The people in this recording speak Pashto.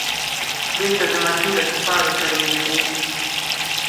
بیرته د مکې له کفارو سره یو ځای سو.